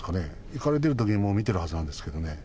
行かれてるときにもう、見てるはずなんですけどね。